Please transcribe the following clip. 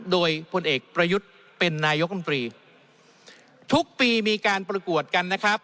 โดยพลเอกประยุทธ์เป็นนายกรมตรีทุกปีมีการประกวดกันนะครับ